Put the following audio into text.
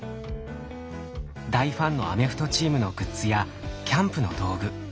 大ファンのアメフトチームのグッズやキャンプの道具。